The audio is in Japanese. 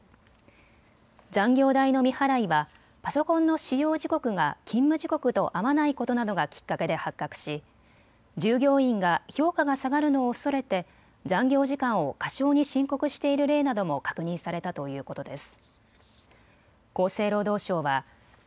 残業代の未払いはパソコンの使用時刻が勤務時刻と合わないことなどがきっかけで発覚し、従業員が評価が下がるのをおそれて残業時間を過少に申告している例なども確認されたということです。